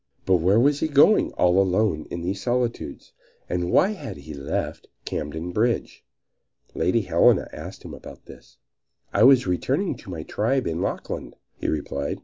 But where was he going all alone in these solitudes and why had he left Camden Bridge? Lady Helena asked him about this. "I was returning to my tribe in the Lachlan," he replied.